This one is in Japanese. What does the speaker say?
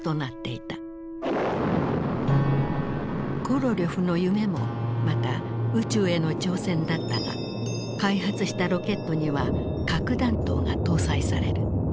コロリョフの夢もまた宇宙への挑戦だったが開発したロケットには核弾頭が搭載される。